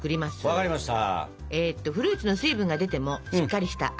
分かりました。